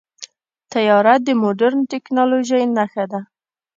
طیاره د مدرن ټیکنالوژۍ نښه ده.